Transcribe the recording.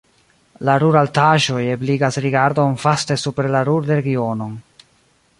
La Ruhr-Altaĵoj ebligas rigardon vaste super la Ruhr-Regionon.